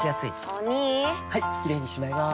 お兄はいキレイにしまいます！